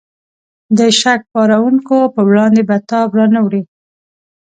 د شک پارونکو په وړاندې به تاب را نه وړي.